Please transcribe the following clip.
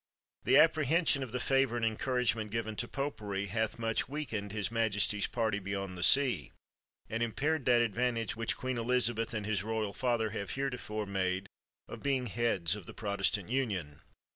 The apprehension of the favor and encour agement given to popery hath much weak ened his majesty's party beyond the sea, and impaired that advantage which Queen Elizabeth and his royal father have heretofore made, of being heads of the Protestant union.